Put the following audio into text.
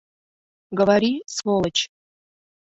Говори, сволочь!